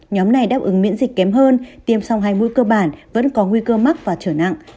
nhóm này đáp ứng miễn dịch kém hơn tiêm song hai mũi cơ bản vẫn có nguy cơ mắc và trở nặng